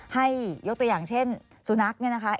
ให้ยกตัวอย่างเช่นสุนัขเนี่ยนะคะ